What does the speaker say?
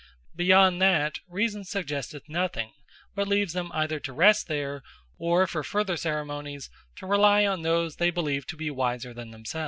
Beyond that reason suggesteth nothing; but leaves them either to rest there; or for further ceremonies, to rely on those they believe to be wiser than themselves.